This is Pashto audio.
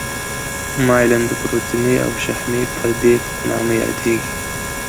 مایلین د پروتیني او شحمي پردې په نامه یادیږي.